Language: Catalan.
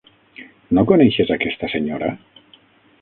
No coneixes aquesta senyora?